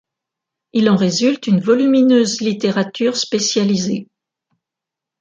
Il en résulte une volumineuse littérature spécialisée.